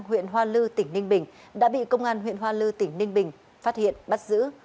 huyện hoa lư tỉnh ninh bình đã bị công an huyện hoa lư tỉnh ninh bình phát hiện bắt giữ